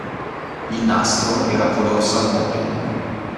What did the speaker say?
Il nastro era color salmone.